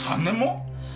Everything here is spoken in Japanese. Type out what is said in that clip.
３年も！？